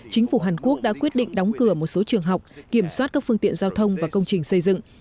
chính phủ hàn quốc đã quyết định đóng cửa một số trường học kiểm soát các phương tiện giao thông và công trình xây dựng